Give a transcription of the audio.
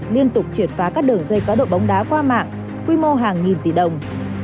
liên tục triệt phá các đường dây cá độ bóng đá qua mạng quy mô hàng nghìn tỷ đồng